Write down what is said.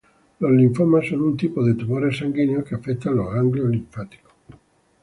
Los linfomas son un tipo de "tumores sanguíneos" que afectan los ganglios linfáticos.